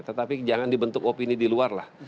tetapi jangan dibentuk opini di luar lah